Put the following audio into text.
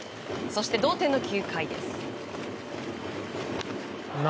そして、同点の９回です。